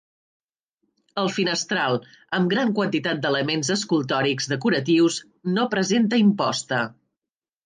El finestral, amb gran quantitat d'elements escultòrics decoratius, no presenta imposta.